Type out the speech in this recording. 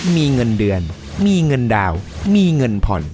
มีเงินเดือนมีเงินดาวมีเงินผ่อน